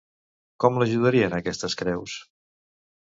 Com l'ajudarien aquestes creus?